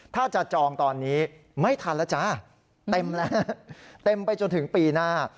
ถ้าจะจองตอนนี้ไม่ทันแล้วจ้าเต็มแล้วเต็มไปจนถึงปีหน้า